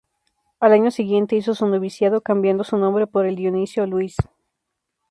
Al año siguiente hizo su noviciado cambiando su nombre por el Dionisio Luis.